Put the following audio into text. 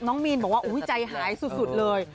น้องมีนบอกว่าจัยหายสุดเลย